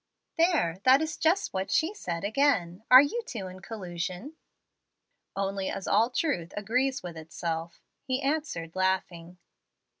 "There, that is just what she said again. Are you two in collusion." "Only as all truth agrees with itself," he answered, laughing.